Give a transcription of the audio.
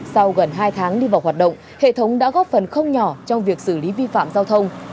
sau gần hai tháng đi vào hoạt động hệ thống đã góp phần không nhỏ trong việc xử lý vi phạm giao thông